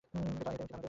এটাই উচিত আমাদের।